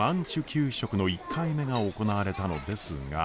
給食の１回目が行われたのですが。